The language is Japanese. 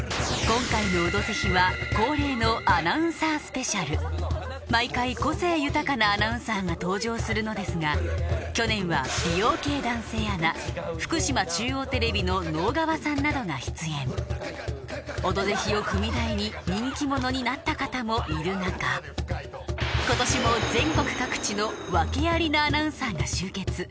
今回の「オドぜひ」は毎回個性豊かなアナウンサーが登場するのですが去年は美容系男性アナ福島中央テレビの直川さんなどが出演「オドぜひ」を踏み台に人気者になった方もいる中今年も全国各地のワケありなアナウンサーが集結